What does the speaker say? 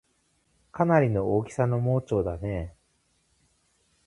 かなりの大きさの盲腸だねぇ